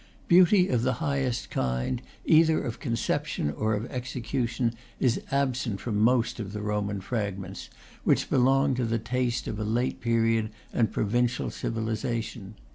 Beauty of the highest kind, either of conception or of execu tion, is absent from most of the Roman fragments, which belong to the taste of a late period and a provincial civilization.